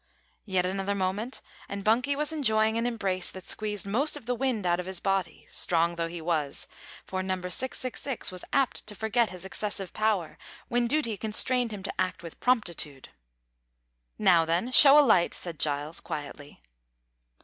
Yet another moment, and Bunky was enjoying an embrace that squeezed most of the wind out of his body, strong though he was, for Number 666 was apt to forget his excessive power when duty constrained him to act with promptitude. "Now, then, show a light," said Giles, quietly.